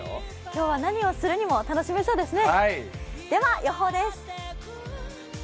今日は何をするにも楽しめそうですね。